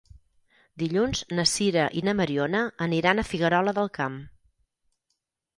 Dilluns na Sira i na Mariona aniran a Figuerola del Camp.